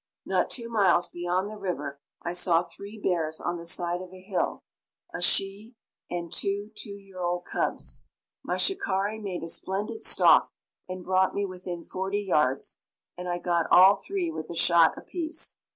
Not two miles beyond the river I saw three bears on the side of a hill, a she and two two year old cubs. My shikari made a splendid stalk and brought me within forty yards, and I got all three with a shot apiece.